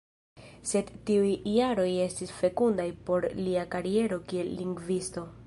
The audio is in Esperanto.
Sed tiuj jaroj estis fekundaj por lia kariero kiel lingvisto.